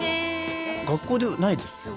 学校でないですか？